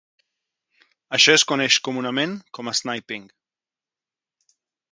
Això es coneix comunament com a "sniping".